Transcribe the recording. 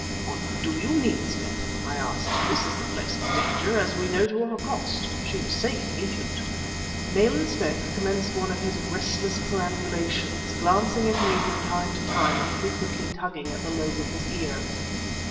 "What do you mean, Smith?" I asked. "This is the place of danger, as we know to our cost; she was safe in Egypt." Nayland Smith commenced one of his restless perambulations, glancing at me from time to time and frequently tugging at the lobe of his ear.